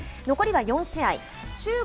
残りは４試合。